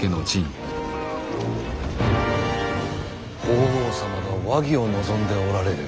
法皇様が和議を望んでおられる。